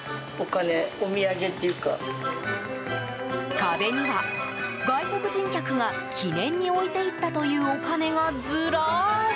壁には、外国人客が記念に置いていったというお金がずらり！